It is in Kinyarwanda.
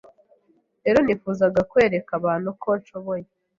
rero nifuzaga kwereka abantu ko nshoboye